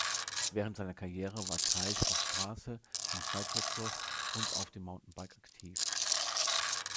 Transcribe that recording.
Während seiner Karriere war Thijs auf Straße, im Cyclocross und auf dem Mountainbike aktiv.